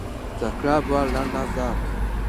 The club were runners-up in the first season.